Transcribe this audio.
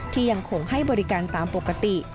ยังคงให้บริการตามปกติ